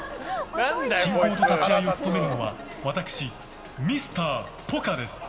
進行と立ち合いを務めるのは私、ミスター・ポカです。